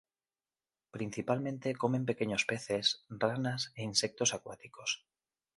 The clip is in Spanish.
Principalmente comen pequeños peces, ranas e insectos acuáticos.